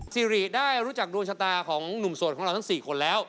สิริได้รู้จักดวงชะตาของหนุ่มโสดของเราทั้ง๔คนแล้ว